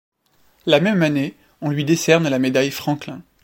La même année, on lui décerne la Médaille Franklin.